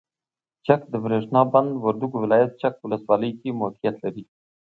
چک دبریښنا بند وردګو ولایت چک ولسوالۍ کې موقعیت لري.